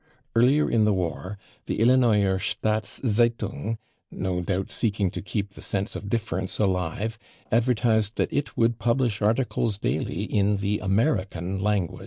Earlier in the war the /Illinoiser Staats Zeitung/, no doubt seeking to keep the sense of difference alive, advertised that it would "publish articles daily in the /American/ language."